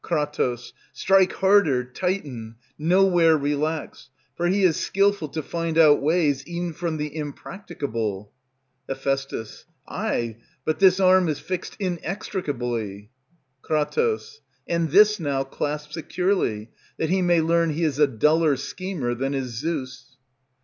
Kr. Strike harder, tighten, nowhere relax, For he is skillful to find out ways e'en from the impracticable. Heph. Ay, but this arm is fixed inextricably. Kr. And this now clasp securely, that He may learn he is a duller schemer than is Zeus.